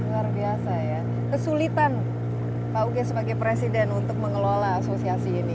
luar biasa ya kesulitan pak uge sebagai presiden untuk mengelola asosiasi ini